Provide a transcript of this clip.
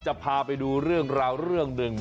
จะพาไปดูเรื่องราวเรื่องหนึ่ง